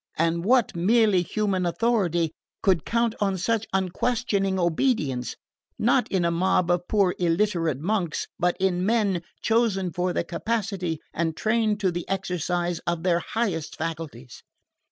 And what merely human authority could count on such unquestioning obedience, not in a mob of poor illiterate monks, but in men chosen for their capacity and trained to the exercise of their highest faculties?